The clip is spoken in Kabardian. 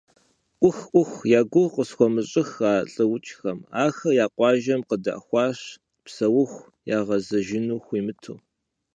Ӏух! Ӏух! Я гугъу къысхуумыщӀыххэ а лӀыукӀхэм, ахэр я къуажэм къыдахуащ, псэуху ягъэзэжыну хуимыту.